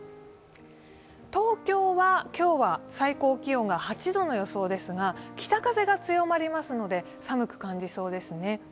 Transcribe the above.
東京は今日は最高気温が８度の予想ですが北風が強まりますので、寒く感じそうですね。